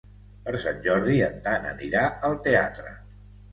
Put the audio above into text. Per Sant Jordi en Dan anirà al teatre.